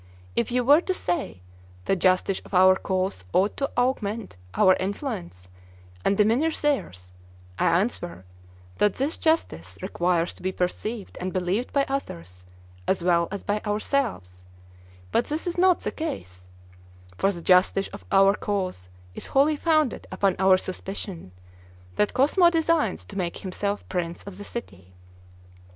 If you were to say, the justice of our cause ought to augment our influence and diminish theirs I answer, that this justice requires to be perceived and believed by others as well as by ourselves, but this is not the case; for the justice of our cause is wholly founded upon our suspicion that Cosmo designs to make himself prince of the city.